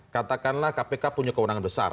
katakanlah kpk punya kewenangan besar